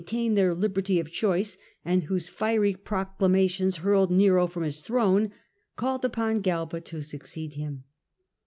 tain their liberty of choice, and whose fiery proclamations hurled Nero from his throne, called upon Galba to succeed him.